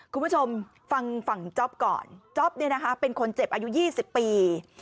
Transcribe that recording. คุณผู้ชมฟังฝั่งจ๊อปก่อนจ๊อปเป็นคนเจ็บอายุ๒๐ปี